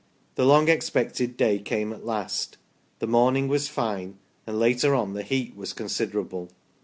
The .long expected day came at last. The morning was fine, and later on the heat was considerable.